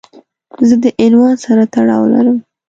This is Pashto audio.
زه د عنوان سره تړاو لرم.